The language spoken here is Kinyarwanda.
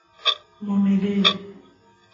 Mu mirire